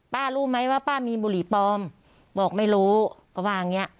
รู้ไหมว่าป้ามีบุหรี่ปลอมบอกไม่รู้ก็ว่าอย่างเงี้